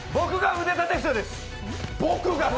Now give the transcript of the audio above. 僕が腕立て伏せです。